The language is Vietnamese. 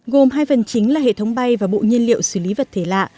gồm hai phần chính là hệ thống bay và bộ nhiên liệu xử lý vật thể lạ